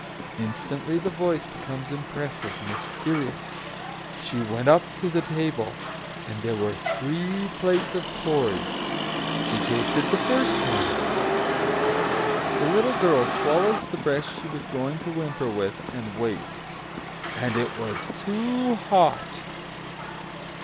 Instantly the voice becomes impressive, mysterious: "she went up to the table, and there were three plates of porridge. She tasted the first one" the little girl swallows the breath she was going to whimper with, and waits "and it was too hot!